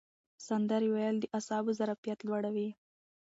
سندرې ویل د اعصابو ظرفیت لوړوي.